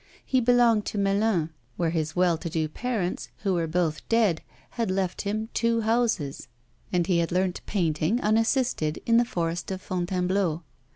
He belonged to Melun, where his well to do parents, who were both dead, had left him two houses; and he had learnt painting, unassisted, in the forest of Fontainebleau.